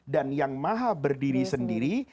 dan yang maha berdiri sendiri